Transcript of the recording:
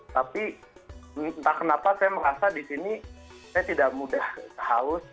tapi entah kenapa saya merasa di sini saya tidak mudah haus